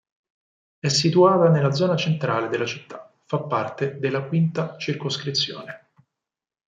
È situata nella zona centrale della città; fa parte della V Circoscrizione.